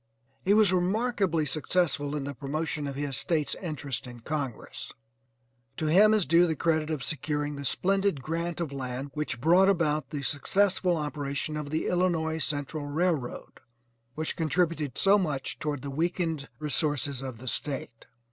He was remarkably successful in the promotion of his State's interest in Congress. To him is due the credit of securing the splendid grant of land which brought about the successful operation of the Illinois Central railroad which contributed so much toward the weakened resources of the State.